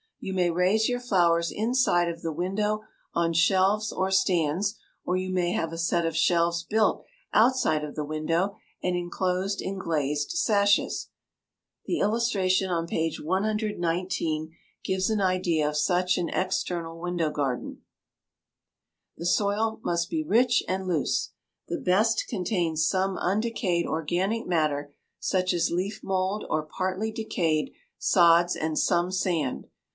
You may raise your flowers inside of the window on shelves or stands, or you may have a set of shelves built outside of the window and inclosed in glazed sashes. The illustration on page 119 gives an idea of such an external window garden. [Illustration: FIG. 109. AN INSIDE WINDOW BOX IN ITS FULL GLORY] The soil must be rich and loose. The best contains some undecayed organic matter such as leaf mold or partly decayed sods and some sand.